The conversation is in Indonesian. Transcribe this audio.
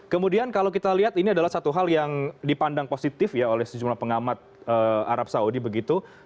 kemudian kalau kita lihat ini adalah satu hal yang dipandang positif ya oleh sejumlah pengamat arab saudi begitu